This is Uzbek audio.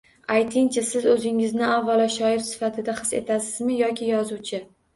Aytingchi, Siz o‘zingizni avvalo, shoir sifatida his etasizmi yoki yozuvchi